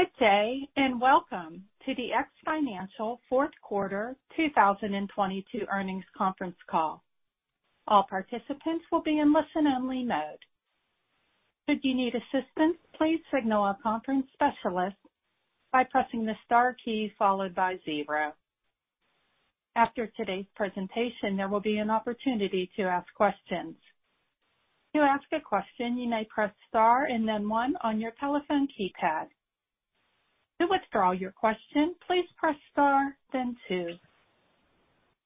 Good day. Welcome to the X Financial fourth quarter 2022 earnings conference call. All participants will be in listen-only mode. Should you need assistance, please signal a conference specialist by pressing the star key followed by zero. After today's presentation, there will be an opportunity to ask questions. To ask a question, you may press star and then one on your telephone keypad. To withdraw your question, please press star then two.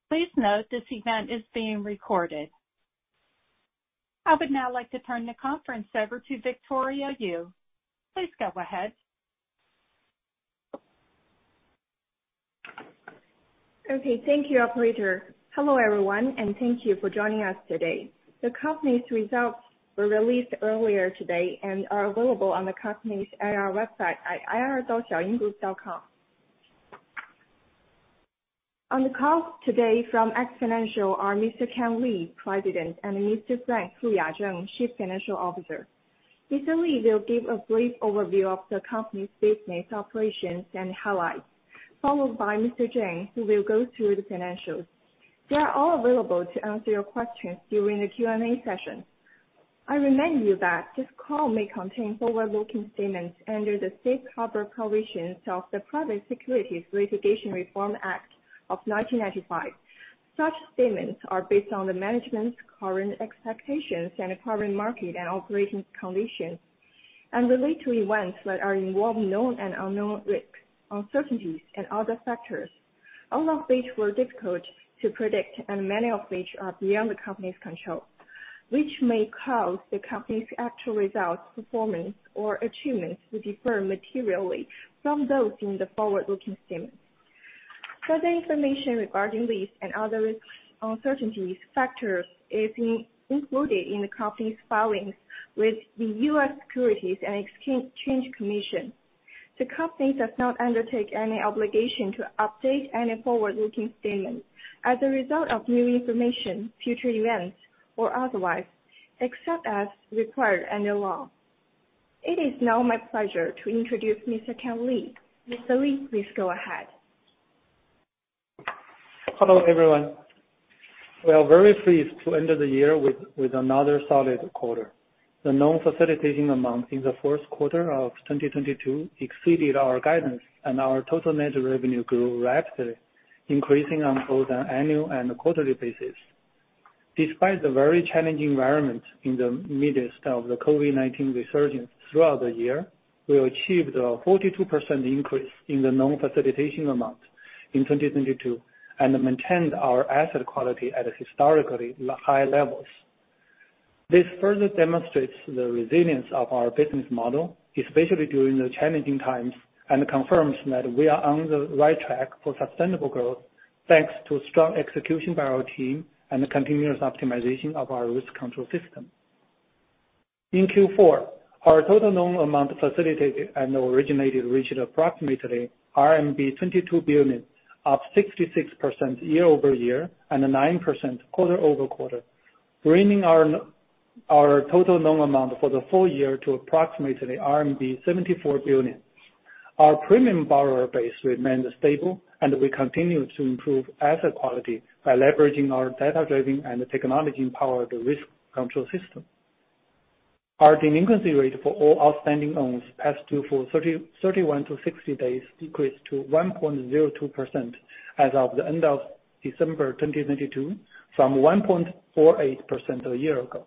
Please note this event is being recorded. I would now like to turn the conference over to Victoria Yu. Please go ahead. Okay. Thank you, operator. Hello, everyone, and thank you for joining us today. The company's results were released earlier today and are available on the company's IR website at ir.xiaoyinggroup.com. On the call today from X Financial are Mr. Kan Li, President, and Mr. Frank Fuya Zheng, Chief Financial Officer. Mr. Li will give a brief overview of the company's business, operations, and highlights, followed by Mr. Zheng, who will go through the financials. They are all available to answer your questions during the Q&A session. I remind you that this call may contain forward-looking statements under the Safe Harbor provisions of the Private Securities Litigation Reform Act of 1995. Such statements are based on the management's current expectations and current market and operations conditions and relate to events that are involved known and unknown risks, uncertainties, and other factors, all of which were difficult to predict and many of which are beyond the company's control, which may cause the company's actual results, performance, or achievements to differ materially from those in the forward-looking statement. Further information regarding these and other risks, uncertainties, factors is included in the company's filings with the U.S. Securities and Exchange Commission. The company does not undertake any obligation to update any forward-looking statement as a result of new information, future events or otherwise, except as required under law. It is now my pleasure to introduce Mr. Kan Li. Mr. Li, please go ahead. Hello, everyone. We are very pleased to end the year with another solid quarter. The known facilitating amount in the fourth quarter of 2022 exceeded our guidance, and our total net revenue grew rapidly, increasing on both an annual and quarterly basis. Despite the very challenging environment in the midst of the COVID-19 resurgence throughout the year, we achieved a 42% increase in the known facilitation amount in 2022 and maintained our asset quality at historically high levels. This further demonstrates the resilience of our business model, especially during the challenging times, and confirms that we are on the right track for sustainable growth, thanks to strong execution by our team and the continuous optimization of our risk control system. In Q4, our total known amount facilitated and originated reached approximately RMB 22 billion, up 66% year-over-year and 9% quarter-over-quarter, bringing our total loan amount for the full year to approximately RMB 74 billion. Our premium borrower base remained stable, and we continued to improve asset quality by leveraging our data-driven and technology-empowered risk control system. Our delinquency rate for all outstanding loans past due for 31-60 days decreased to 1.02% as of the end of December 2022 from 1.48% a year ago.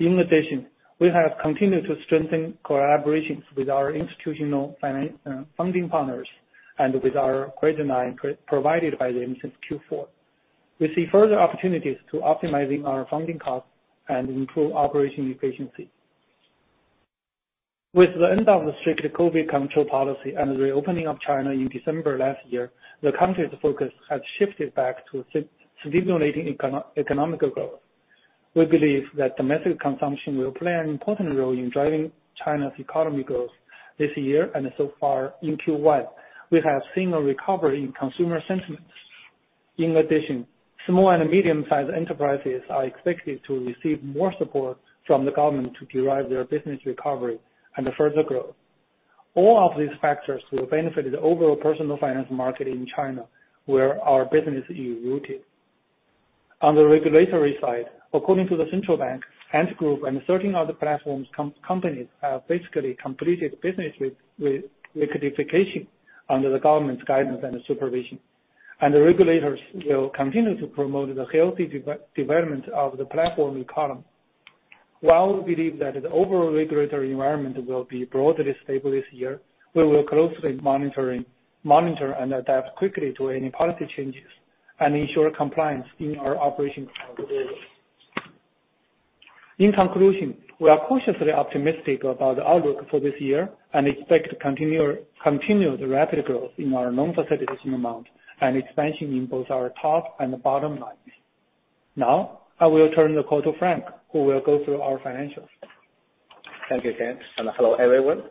In addition, we have continued to strengthen collaborations with our institutional funding partners and with our credit line provided by them since Q4. We see further opportunities to optimizing our funding costs and improve operating efficiency. With the end of the strict COVID control policy and the reopening of China in December last year, the country's focus has shifted back to stimulating economical growth. We believe that domestic consumption will play an important role in driving China's economy growth this year, and so far in Q1, we have seen a recovery in consumer sentiments. In addition, small and medium-sized enterprises are expected to receive more support from the government to drive their business recovery and further growth. All of these factors will benefit the overall personal finance market in China, where our business is rooted. On the regulatory side, according to the central bank, Ant Group and certain other platforms companies have basically completed business liquidation under the government's guidance and supervision, and the regulators will continue to promote the healthy development of the platform economy. While we believe that the overall regulatory environment will be broadly stable this year, we will closely monitor and adapt quickly to any policy changes and ensure compliance in our operations. In conclusion, we are cautiously optimistic about the outlook for this year and expect to continue the rapid growth in our loan facilitation amount and expansion in both our top and bottom lines. I will turn the call to Frank, who will go through our financials. Thank you Kan. Hello, everyone.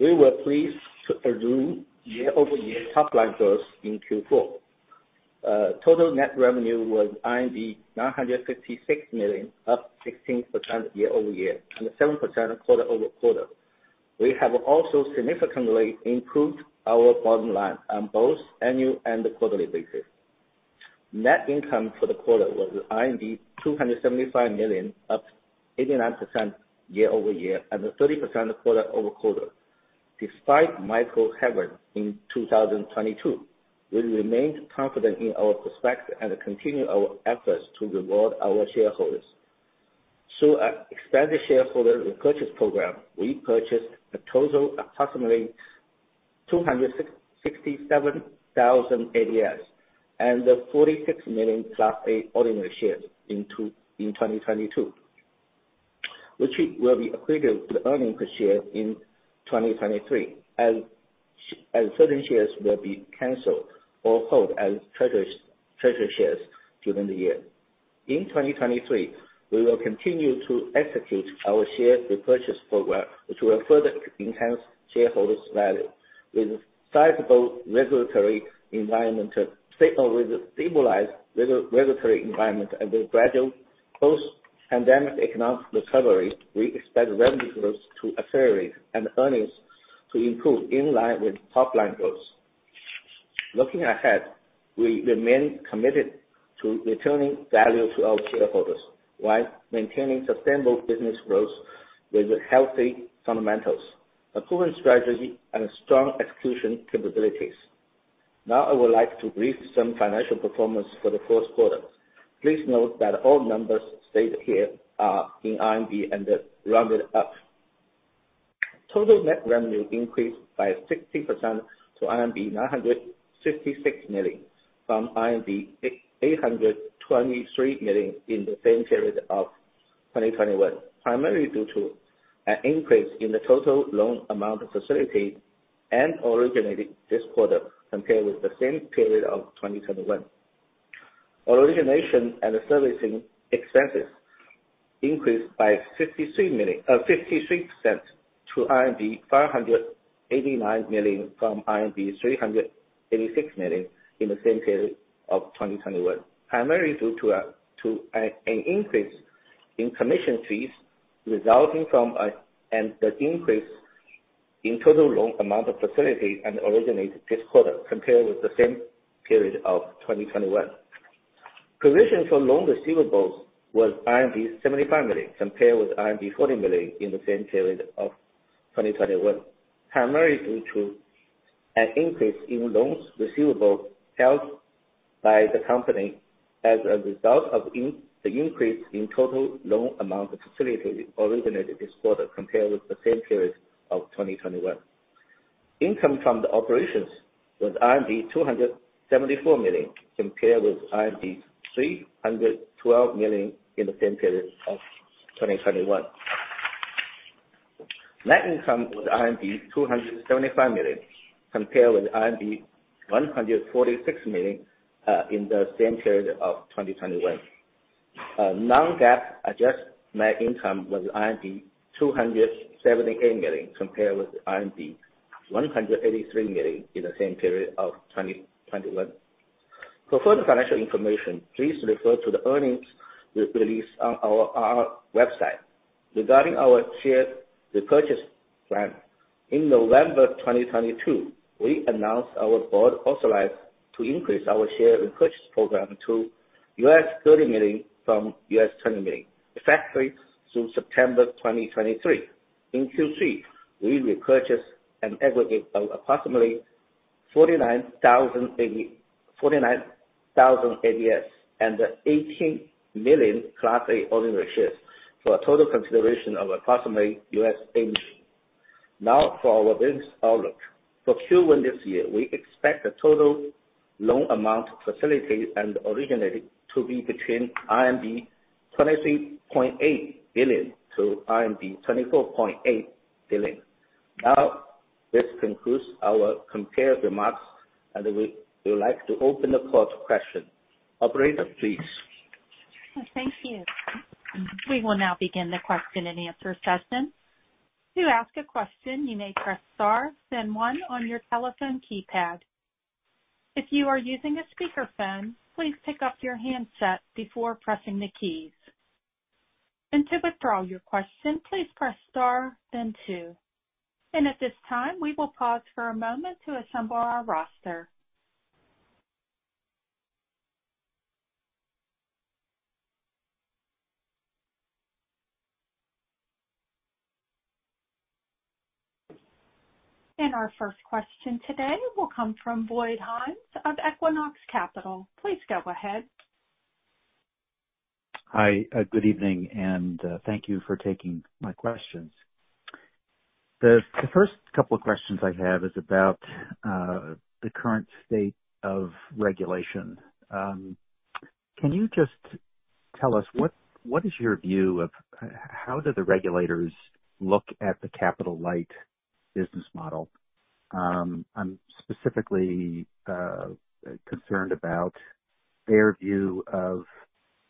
We were pleased to resume year-over-year top-line growth in Q4. Total net revenue was 966 million, up 16% year-over-year, and 7% quarter-over-quarter. We have also significantly improved our bottom line on both annual and quarterly basis. Net income for the quarter was RMB 275 million, up 89% year-over-year and 30% quarter-over-quarter. Despite macro headwinds in 2022, we remained confident in our prospects and continue our efforts to reward our shareholders. Through our expanded shareholder repurchase program, we purchased a total approximately 267,000 ADS and 46 million Class A ordinary shares in 2022, which will be accretive to the earnings per share in 2023 as certain shares will be canceled or held as treasury shares during the year. In 2023, we will continue to execute our share repurchase program, which will further enhance shareholders value. With sizable regulatory environment, stabilized regulatory environment and a gradual post-pandemic economic recovery, we expect revenue growth to accelerate and earnings to improve in line with top line growth. Looking ahead, we remain committed to returning value to our shareholders while maintaining sustainable business growth with healthy fundamentals, a proven strategy and strong execution capabilities. I would like to brief some financial performance for the first quarter. Please note that all numbers stated here are in RMB and rounded up. Total net revenue increased by 60% to RMB 966 million from RMB 823 million in the same period of 2021, primarily due to an increase in the total loan amount of facilities and originated this quarter compared with the same period of 2021. Origination and servicing expenses increased by 53% to RMB 589 million from RMB 386 million in the same period of 2021, primarily due to an increase in commission fees resulting from and the increase in total loan amount of facilities and originated this quarter compared with the same period of 2021. Provision for loan receivables was RMB 75 million, compared with RMB 40 million in the same period of 2021, primarily due to an increase in loans receivable held by the company as a result of the increase in total loan amount of facilities originated this quarter compared with the same period of 2021. Income from the operations was RMB 274 million, compared with RMB 312 million in the same period of 2021. Net income was RMB 275 million, compared with RMB 146 million in the same period of 2021. Non-GAAP adjusted net income was RMB 278 million, compared with RMB 183 million in the same period of 2021. For further financial information, please refer to the earnings re-release on our website. Regarding our share repurchase plan, in November 2022, we announced our board authorized to increase our share repurchase program to $30 million from $20 million, effective through September 2023. In Q3, we repurchased an aggregate of approximately 49,000 ADSs and 18 million Class A ordinary shares for a total consideration of approximately $18 million. For our business outlook. For full wind this year, we expect the total loan amount facilities and originated to be between RMB 23.8 billion to RMB 24.8 billion. This concludes our prepared remarks, we would like to open the floor to questions. Operator, please. Thank you. We will now begin the question and answer session. To ask a question, you may press star then one on your telephone keypad. If you are using a speakerphone, please pick up your handset before pressing the keys. To withdraw your question, please press star then two. At this time, we will pause for a moment to assemble our roster. Our first question today will come from Bo Hinds of Equinox Capital. Please go ahead. Hi. Good evening and thank you for taking my questions. The first couple of questions I have is about the current state of regulation. Can you just tell us what is your view of how do the regulators look at the capital light business model? I'm specifically concerned about their view of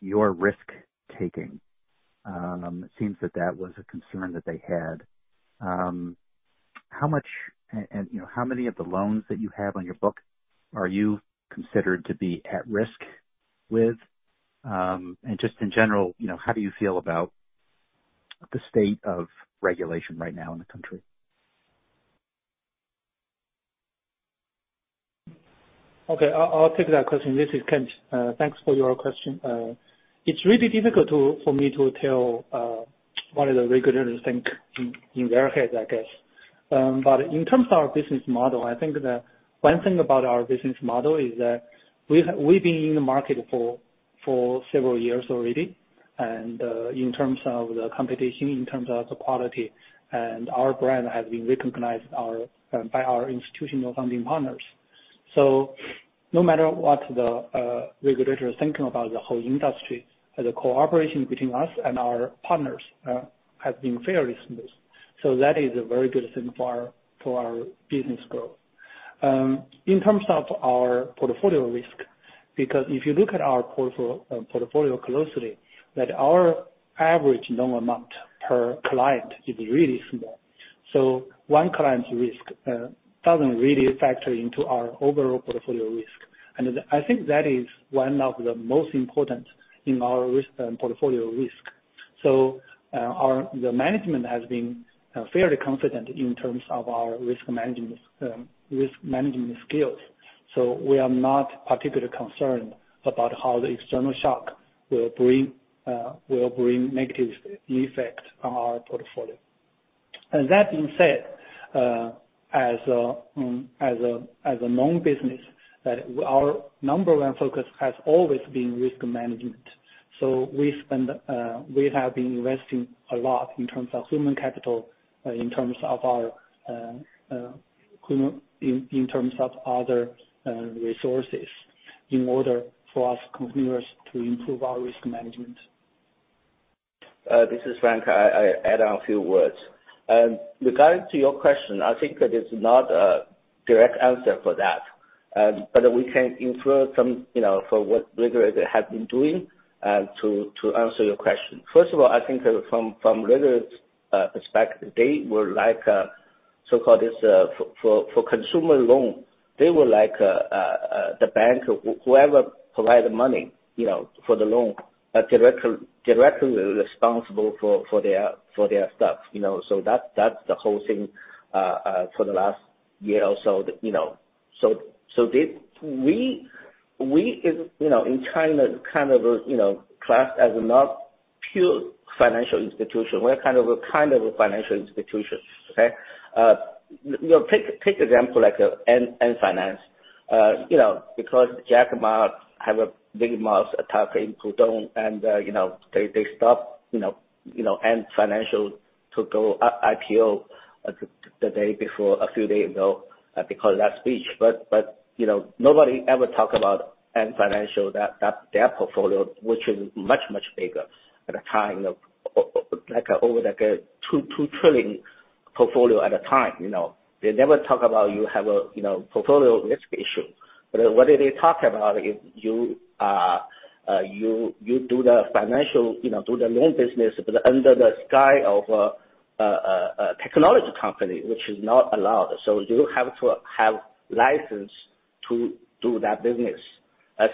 your risk-taking. How much and, you know, how many of the loans that you have on your book are you considered to be at risk with? Just in general, you know, how do you feel about the state of regulation right now in the country? Okay. I'll take that question. This is Kent. Thanks for your question. It's really difficult for me to tell what do the regulators think in their heads, I guess. In terms of our business model, I think the one thing about our business model is that we've been in the market for several years already, and in terms of the competition, in terms of the quality and our brand has been recognized by our institutional funding partners. No matter what the regulator is thinking about the whole industry, the cooperation between us and our partners has been fairly smooth. That is a very good thing for our business growth. In terms of our portfolio risk, because if you look at our portfolio closely, that our average loan amount per client is really small. One client's risk doesn't really factor into our overall portfolio risk. I think that is one of the most important in our risk, portfolio risk. The management has been fairly confident in terms of our risk management, risk management skills. We are not particularly concerned about how the external shock will bring negative effect on our portfolio. That being said, as a loan business that our number one focus has always been risk management. We spend, we have been investing a lot in terms of human capital, in terms of our in terms of other resources in order for us continuous to improve our risk management. This is Frank. I add on a few words. Regarding to your question, I think that is not a direct answer for that. We can infer some, you know, for what regulators have been doing to answer your question. First of all, I think from regulators' perspective, they would like so-called this for consumer loan. They would like the bank or whoever provide the money, you know, for the loan, are directly responsible for their stuff, you know. That's the whole thing for the last year or so, you know. You know, in China kind of, you know, class is a not pure financial institution. We're kind of a financial institution. Okay? You know, take example, like Ant Financial. You know, because Jack Ma have a big mouth attack in Pudong and you know, they stopped, you know, Ant Financial to go IPO the day before, a few days ago because of that speech. You know, nobody ever talk about Ant Financial, that their portfolio, which is much bigger at a time of over like a 2 trillion portfolio at a time, you know. They never talk about you have a - you know, portfolio risk issue. What did they talk about is you do the financial, you know, do the loan business, but under the sky of a technology company which is not allowed. You have to have license to do that business.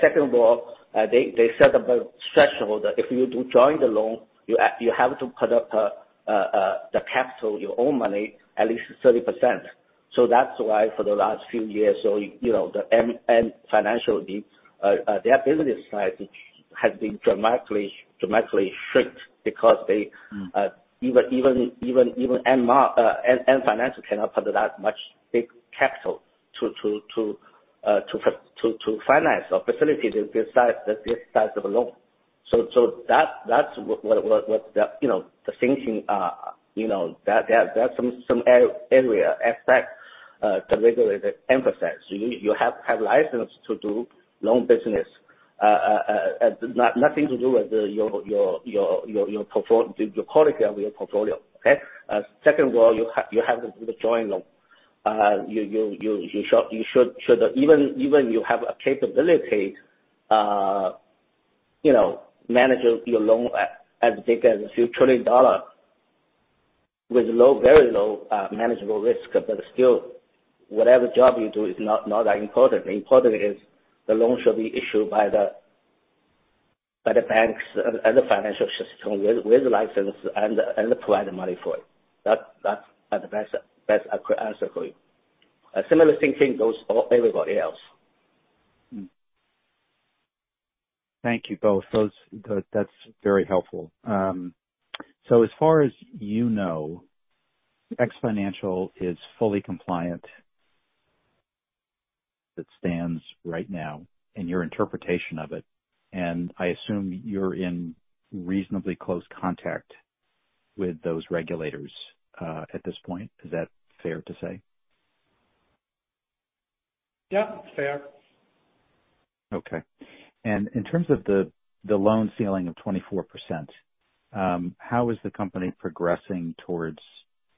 Second of all, they set up a threshold. If you do joint loan, you have to put up the capital, your own money at least 30%. That's why for the last few years or so, you know, Ant Financial, their business size has been dramatically shrink because they, even Ant Financial cannot put that much big capital to finance or facilitate this size of a loan. That's what the, you know, the thinking. You know, that's some area affect the regulator emphasize. You have to have license to do loan business. Nothing to do with your portfolio. Okay? Second of all, you have to do the joint loan. you should even you have a capability, you know, manage your loan at big as RMB a few trillion dollar with low, very low, manageable risk. Still, whatever job you do is not that important. The important is the loan should be issued by the banks and the financial system with license and provide the money for it. That's a good answer for you. A similar thinking goes for everybody else. Thank you both. That's very helpful. As far as you know, X Financial is fully compliant that stands right now in your interpretation of it and I assume you're in reasonably close contact with those regulators at this point. Is that fair to say? Yeah, fair. Okay. In terms of the loan ceiling of 24%, how is the company progressing towards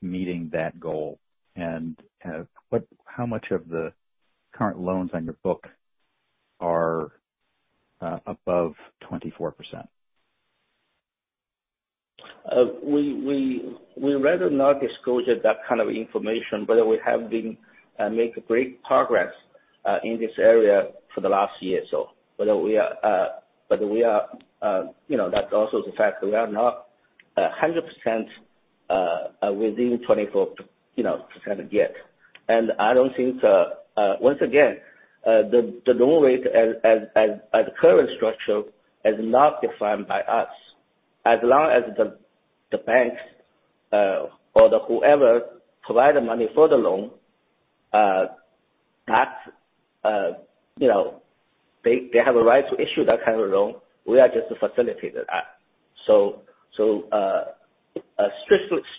meeting that goal? How much of the current loans on your book are above 24%? We rather not disclosure that kind of information, but we have been make great progress in this area for the last year or so. We are, you know, that's also the fact that we are not 100%, you know, within 24, you know, % yet. I don't think once again, the loan rate as current structure is not defined by us. As long as the banks or whoever provide the money for the loan, that's, you know, they have a right to issue that kind of loan. We are just to facilitate that.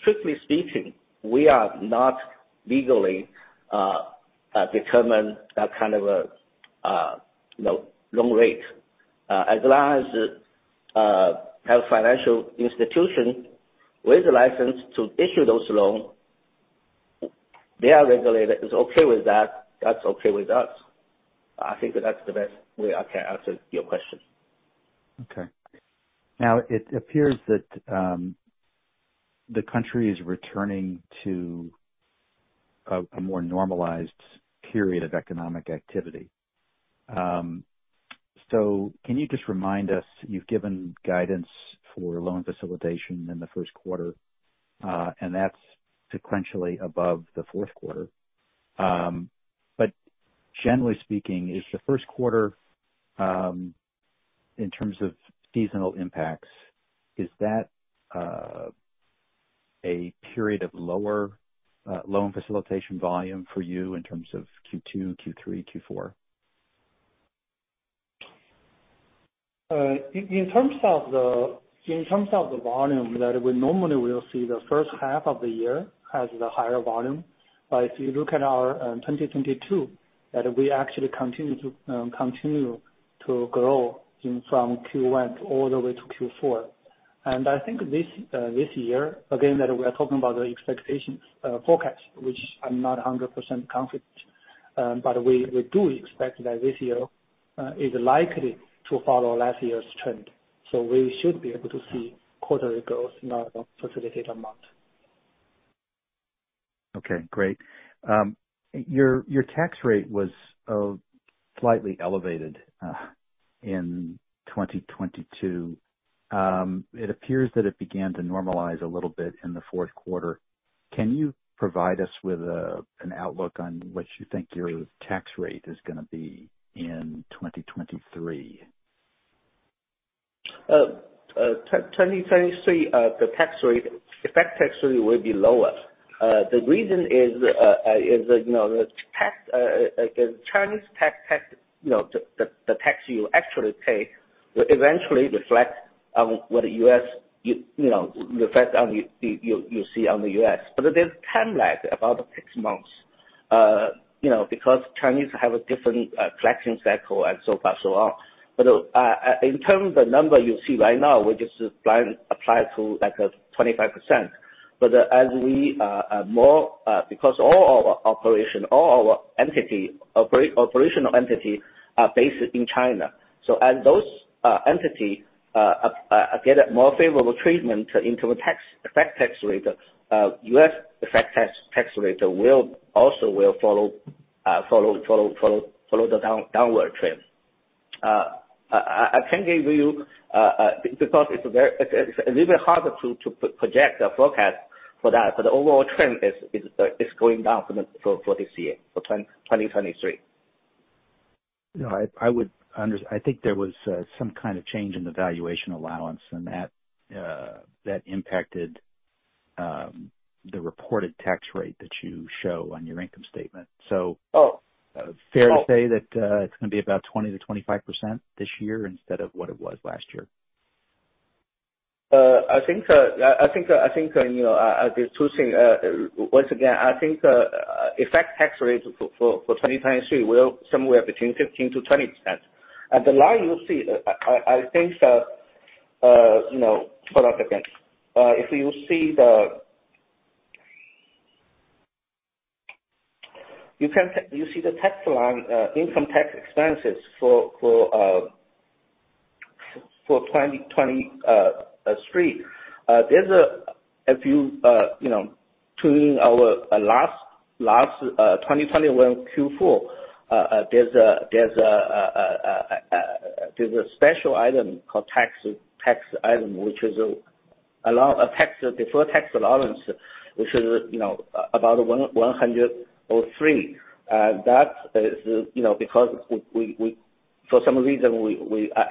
Strictly speaking, we are not legally determine that kind of a, you know, loan rate. As long as, have financial institution with a license to issue those loan, their regulator is okay with that's okay with us. I think that that's the best way I can answer your question. Okay. Now it appears that the country is returning to a more normalized period of economic activity. Can you just remind us, you've given guidance for loan facilitation in the first quarter, and that's sequentially above the fourth quarter. Generally speaking, is the first quarter, in terms of seasonal impacts, is that a period of lower loan facilitation volume for you in terms of Q2, Q3, Q4? In terms of the volume that we normally will see, the first half of the year has the higher volume. If you look at our 2022, that we actually continue to grow in from Q1 all the way to Q4. I think this year, again, that we're talking about the expectations forecast, which I'm not 100% confident. We do expect that this year is likely to follow last year's trend. We should be able to see quarterly growth in our facilitate amount. Okay, great. Your tax rate was slightly elevated in 2022. It appears that it began to normalize a little bit in the fourth quarter. Can you provide us with an outlook on what you think your tax rate is gonna be in 2023? 2023, the tax rate, effect tax rate will be lower. The reason is, you know, the tax, like the Chinese tax, the tax you actually pay will eventually reflect on what the U.S., you know, reflect on you see on the U.S. There's time lag, about six months, you know, because Chinese have a different collection cycle and so forth, so on. In terms of the number you see right now, we just apply to like 25%. As we more, because all our operation, all our entity, operational entity are based in China. As those entity get a more favorable treatment into a tax, effect tax rate, US effect tax rate will also follow the downward trend. I can give you because it's very, it's a little bit harder to project the forecast for that. The overall trend is going down for this year, for 2023. I think there was some kind of change in the valuation allowance that impacted the reported tax rate that you show on your income statement. Oh. Fair to say that, it's gonna be about 20%-25% this year instead of what it was last year? I think, you know there are two things. Once again, I think effect tax rates for 2023 will somewhere between 15% to 20%. The line you see, I think that, you know, hold on a second. If you see the. - you can see the tax line, income tax expenses for 2023. There's - if you know, tuning our last, 2021 Q4, there's a special item called tax item, which is a allow, a tax, deferred tax allowance, which is, you know, about 103. That is, you know, because we, for some reason we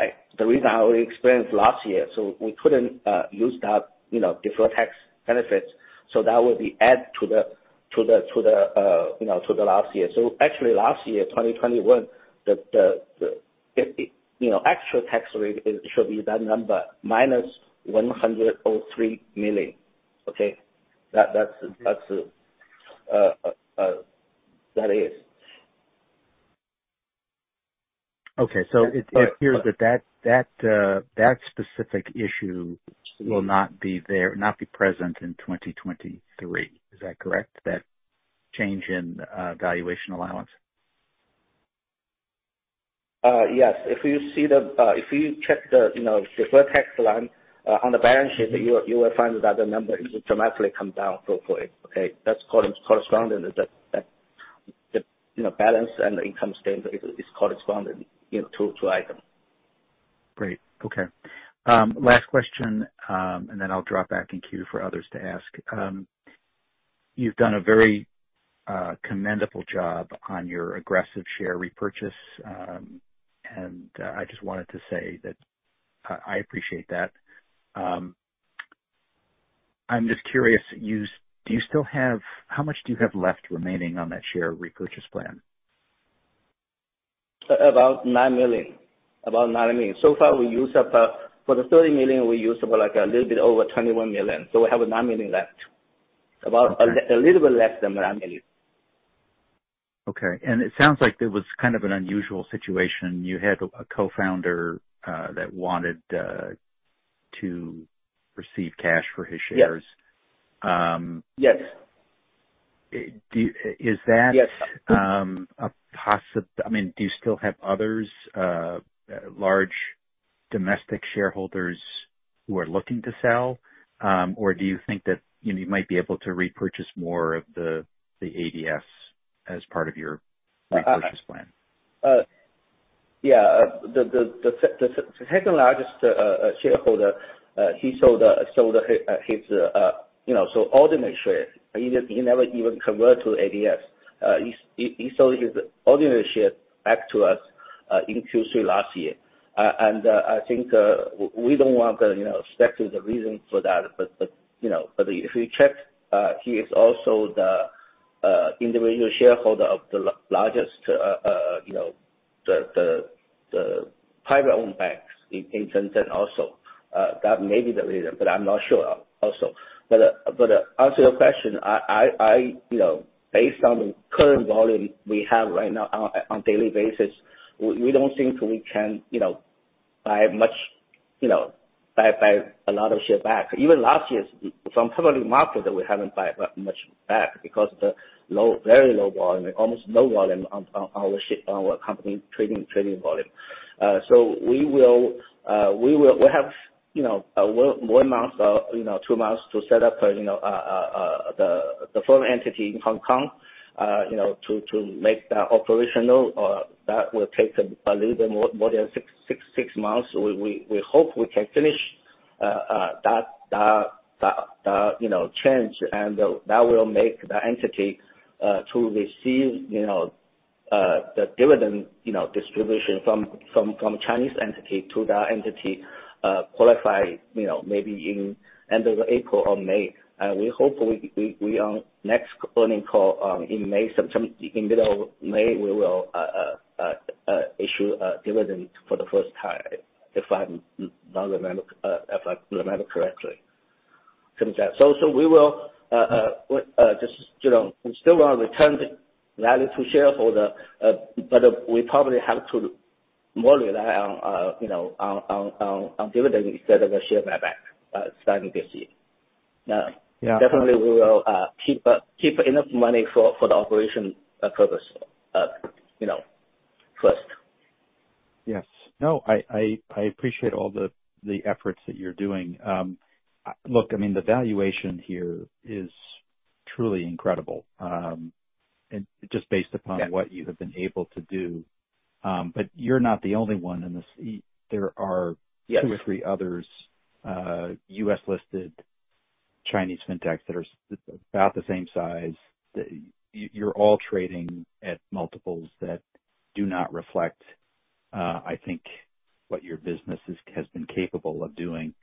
- the reason I already explained last year, we couldn't use that, you know, deferred tax benefits. That would be added to the, you know, to the last year. Actually last year, 2021, the, you know, actual tax rate should be that number minus 103 million. Okay? That's it. It appears that specific issue will not be there, not be present in 2023. Is that correct? That change in valuation allowance? Yes. If you see the - if you check the, you know, the Vertex line, on the balance sheet, you will find that the number will dramatically come down for it, okay. That's corresponding. You know, balance and income statement is corresponding, you know, two item. Great. Okay. Last question, then I'll drop back in queue for others to ask. You've done a very commendable job on your aggressive share repurchase. I just wanted to say that I appreciate that. I'm just curious, How much do you have left remaining on that share repurchase plan? About $9 million. About $9 million. Far we use up, for the $30 million, we use up like a little bit over $21 million, so we have $9 million left. Okay. A little bit less than $9 million. Okay. It sounds like it was kind of an unusual situation. You had a co-founder that wanted to receive cash for his shares. Yes. Do you - I mean, do you still have others, large domestic shareholders who are looking to sell? Do you think that, you know, you might be able to repurchase more of the ADSs as part of your repurchase plan? Yeah. The second largest shareholder, he sold his, you know, ordinary share. He never even convert to ADSs. He sold his ordinary share back to us in Q3 last year. I think we don't want to, you know, speculate the reason for that. If you check, he is also the individual shareholder of the largest, you know, private-owned banks in Shenzhen also. That may be the reason, but I'm not sure also. To answer your question, I, you know, based on the current volume we have right now on daily basis, we don't think we can, you know, buy much, you know, buy a lot of share back. Even last year's, from public market that we haven't buy much back because the low, very low volume, almost no volume on our share, on our company trading volume. We will, we have, you know, one month, you know, two months to set up, you know, the foreign entity in Hong Kong, you know, to make that operational. That will take a little bit more than six months. We hope we can finish that, you know change and that will make the entity to receive, you know, the dividend, you know, distribution from Chinese entity to the entity qualify, you know, maybe in end of April or May. We hope on next earnings call in May, some in middle May, we will issue a dividend for the first time, if I remember correctly. From that. We will just, you know, we still want to return the value to shareholder, but we probably have to more rely on, you know, on dividends instead of a share buyback starting this year. Yeah. Definitely we will keep enough money for the operation purpose, you know, first. Yes. No, I appreciate all the efforts that you're doing. Look, I mean, the valuation here is truly incredible. Yeah. what you have been able to do. You're not the only one in this.two or three others, U.S. listed Chinese Fintechs that are about the same size. You, you're all trading at multiples that do not reflect, I think what your business is, has been capable of doing.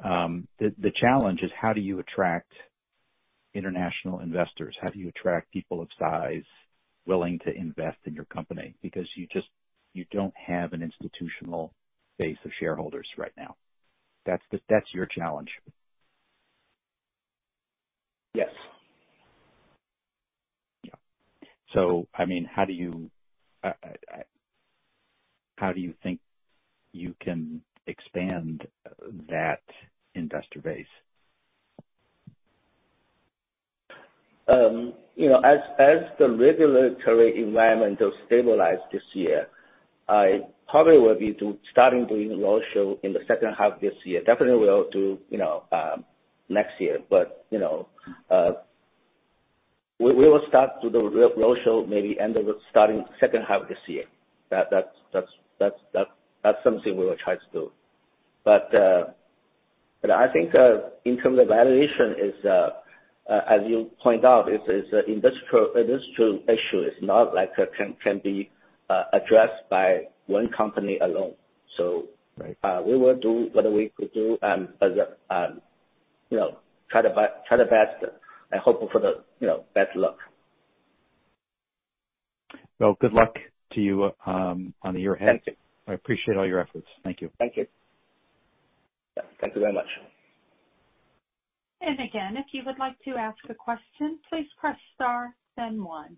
The challenge is how do you attract international investors? How do you attract people of size willing to invest in your company? You just, you don't have an institutional base of shareholders right now. That's your challenge. Yes. I mean, how do you think you can expand that investor base? You know, as the regulatory environment will stabilize this year, I probably will be starting doing roadshow in the second half this year. Definitely will do, you know, next year. We will start to do roadshow maybe end of starting second half this year. That's something we will try to do. I think in terms of valuation is, as you point out, it's a industrial issue. It's not like can be addressed by one company alone. Right. We will do what we could do, as a - you know, try the best and hope for the, you know, best luck. Well, good luck to you, on your end. Thank you. I appreciate all your efforts. Thank you. Thank you. Yeah. Thank you very much. Again, if you would like to ask a question, please press star then one.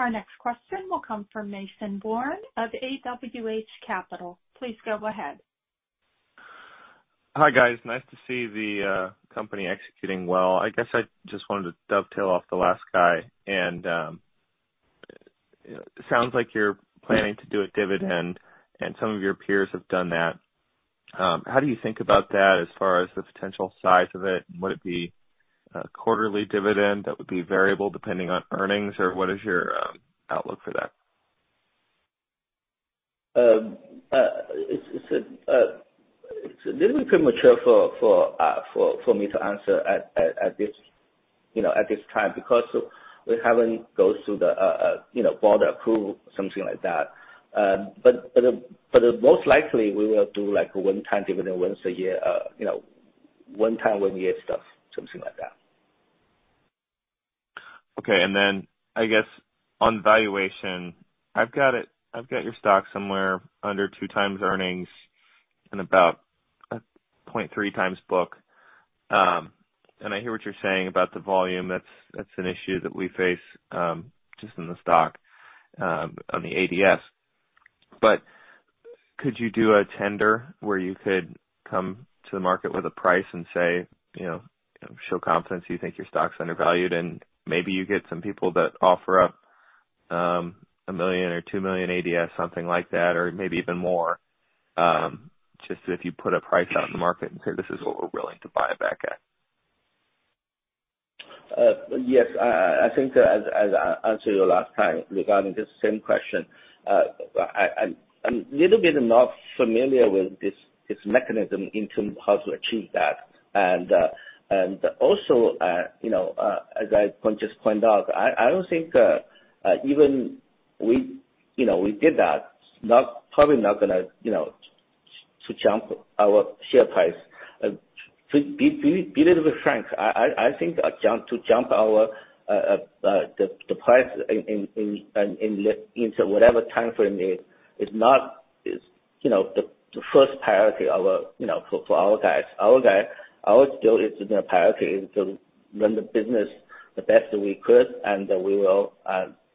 Our next question will come from Mason Bourne of AWH Capital. Please go ahead. Hi guys. Nice to see the company executing well. I guess I just wanted to dovetail off the last guy and it sounds like you're planning to do a dividend and some of your peers have done that. How do you think about that as far as the potential size of it? Would it be a quarterly dividend that would be variable depending on earnings or what is your outlook for that? It's this is premature for me to answer at this, you know, at this time because we haven't go through the, you know, board approval, something like that. Most likely we will do like a one time dividend once a year, you know, one time one year stuff, something like that. Okay. I guess on valuation, I've got your stock somewhere under 2x earnings and about a 0.3 times book. I hear what you're saying about the volume. That's an issue that we face just in the stock on the ADS. Could you do a tender where you could come to the market with a price and say, you know, show confidence, you think your stock's undervalued, and maybe you get some people that offer up 1 million or 2 million ADS, something like that, or maybe even more, just if you put a price out in the market and say, this is what we're willing to buy back at. Yes. I think as I answered you last time regarding this same question, I'm little bit not familiar with this mechanism in terms of how to achieve that. Also, you know, as I just pointed out, I don't think even we, you know, we did that, probably not gonna, you know, to jump our share price. To be a little bit frank, I think to jump our the price into whatever timeframe is not, you know, the first priority for our guys. Our still is the priority is to run the business the best that we could, we will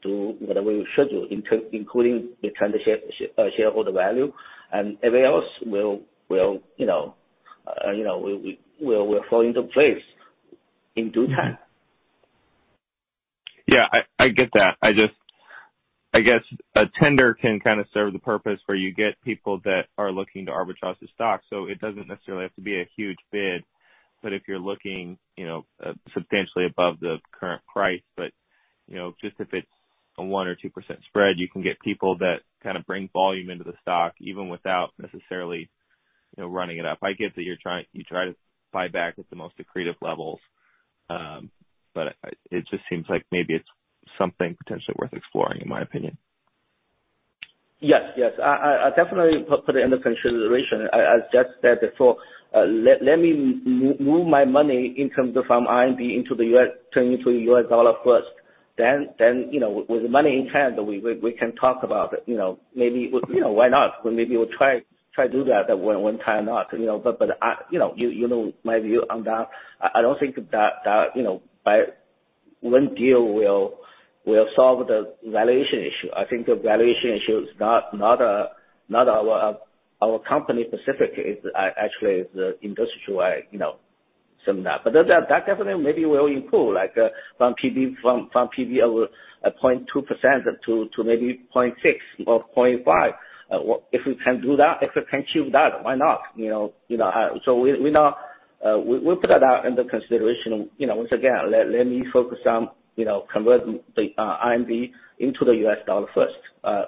do whatever we should do, including return the shareholder value. Everything else will, you know, will fall into place in due time. Yeah, I get that. I just - I guess a tender can kind of serve the purpose where you get people that are looking to arbitrage the stock, so it doesn't necessarily have to be a huge bid. If you're looking, you know, substantially above the current price, but, you know, just if it's a 1% or 2% spread, you can get people that kind of bring volume into the stock even without necessarily, you know, running it up. I get that you try to buy back at the most accretive levels, but it just seems like maybe it's something potentially worth exploring, in my opinion. Yes, yes. I definitely put it under consideration. I just said before, let me move my money in terms of from RMB into the US, turn into U.S. dollar first. With money in hand, we can talk about it. You know, maybe, you know, why not? Maybe we'll try to do that one time or not, you know. You know, you know my view on that. I don't think that, you know, by one deal will solve the valuation issue. I think the valuation issue is not our company specifically. Actually it's the industry wide, you know, something like that. That definitely maybe will improve like, from PB at 0.2% to maybe 0.6% or 0.5%. If we can do that, if we can achieve that, why not, you know? You know, we'll put that out into consideration. You know, once again, let me focus on, you know, convert the RMB into the U.S. dollar first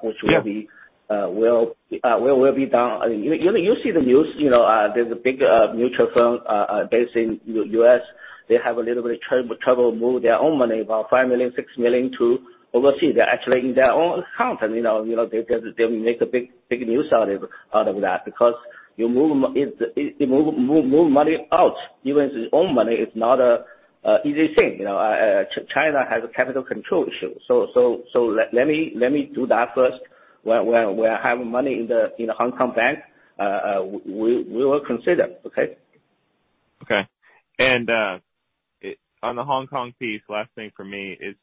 which will be done. You see the news, you know. There's a big mutual firm based in U.S. They have a little bit of trouble move their own money, about $5 million-$6 million to overseas. They're actually in their own account. You know, they just make big news out of that because you move money out, even its own money is not an easy thing. You know, China has a capital control issue. Let me do that first. When I have money in the Hong Kong bank, we will consider, okay? Okay. On the Hong Kong piece, last thing for me, is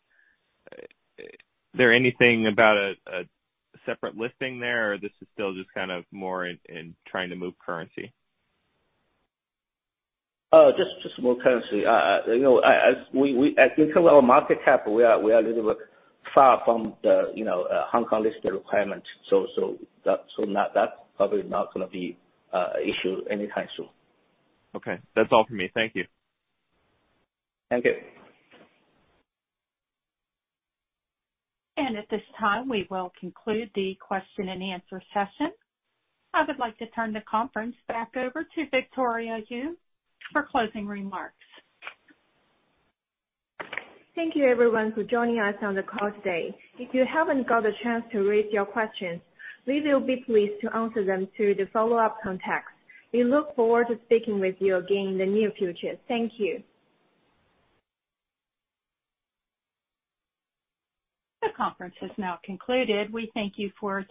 there anything about a separate listing there or this is still just kind of more in trying to move currency? Just more currency. You know, as you can see our market cap, we are a little bit far from the, you know, Hong Kong listing requirement. That's probably not gonna be an issue anytime soon. Okay. That's all for me. Thank you. Thank you. At this time, we will conclude the question and answer session. I would like to turn the conference back over to Victoria Yu for closing remarks. Thank you everyone for joining us on the call today. If you haven't got a chance to raise your questions, we will be pleased to answer them through the follow-up contacts. We look forward to speaking with you again in the near future. Thank you. The conference has now concluded. We thank you.